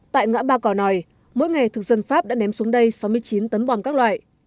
tại ngã ba cỏ nòi mỗi ngày thực dân pháp đã ném xuống đây sáu mươi chín tấn bom các loại